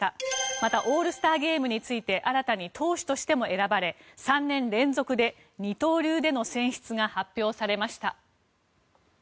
またオールスターゲームについて新たに投手としても選ばれ３年連続で二刀流での選出が発表されました。